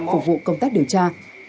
phục vụ công tác điều tra